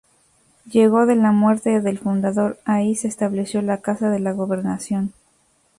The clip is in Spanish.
Luego de la muerte del fundador, allí se estableció la Casa de la Gobernación.